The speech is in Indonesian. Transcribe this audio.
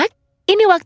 kau bisa menciptakan